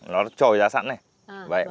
nó trồi ra sẵn này